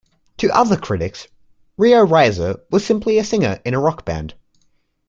To other critics, Rio Reiser was simply a singer in a rock band.